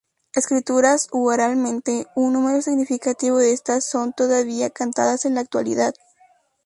Escritas u oralmente, un número significativo de estas son todavía cantadas en la actualidad.